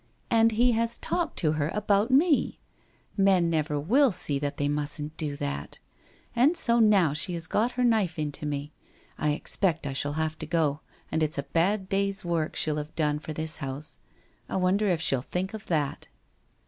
And he has talked to her about me — men never will see that they mustn't do that — and so now she has got her knife into me ! I expect I shall have to go, and it's a bad day's work she'll have done for this house. I wonder if she'll think of that